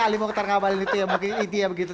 ali mochtar ngabalin itu ya mungkin itu ya begitu